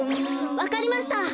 わかりました！